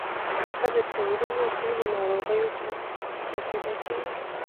که ښځې تمرین وکړي نو ناروغۍ به نه پیدا کیږي.